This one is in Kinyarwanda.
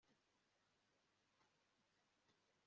iyo umunsi upfuye urusaku urarira